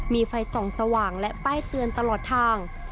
มีไฟส่องสว่างและป้ายเตือนตลอดทาง